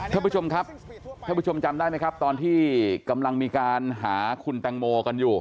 ท่านผู้ชมครับท่านผู้ชมจำได้ไหมครับตอนที่กำลังมีการหาคุณแตงโมกันอยู่